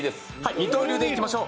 二刀流でいきましょう。